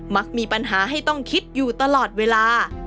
มักมีปัญหาให้ต้องคิดอยู่ตลอดเวลา